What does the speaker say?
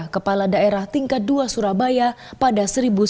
kepala daerah tingkat dua surabaya pada seribu sembilan ratus sembilan puluh